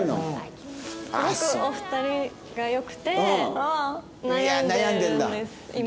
すごくお二人が良くて悩んでるんです今。